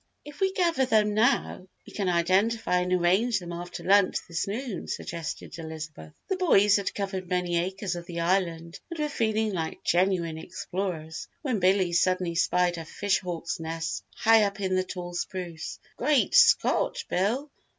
"If we gather them now we can identify and arrange them after lunch this noon," suggested Elizabeth. The boys had covered many acres of the island and were feeling like genuine explorers when Billy suddenly spied a fish hawk's nest high up in a tall spruce. "Great Scott, Bill!